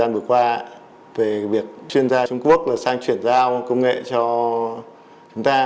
và về việc chuyên gia trung quốc là sang chuyển giao công nghệ cho chúng ta